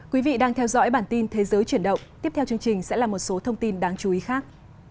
quý vị đang theo dõi bản tin thế giới chuyển động tiếp theo chương trình sẽ là một số thông tin đáng chú ý khác